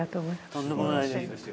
とんでもないです。